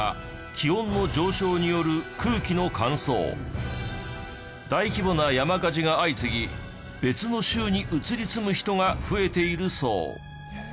主な原因は大規模な山火事が相次ぎ別の州に移り住む人が増えているそう。